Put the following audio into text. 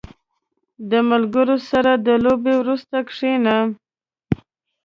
• د ملګرو سره د لوبې وروسته کښېنه.